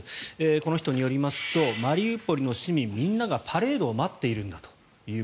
この人によりますとマリウポリの市民みんながパレードを待っているんだと。